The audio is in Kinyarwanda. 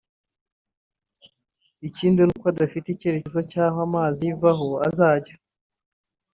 Ikindi ni uko idafite icyerekezo cy’aho amazi ayivaho azajya